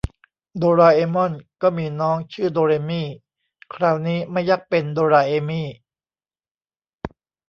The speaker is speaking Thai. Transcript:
โดราเอมอนก็มีน้องชื่อโดเรมี คราวนี้ไม่ยักเป็นโดราเอมี